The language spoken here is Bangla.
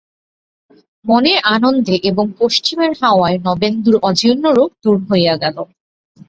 মনের আনন্দে এবং পশ্চিমের হাওয়ায় নবেন্দুর অজীর্ণ রোগ দূর হইয়া গেল।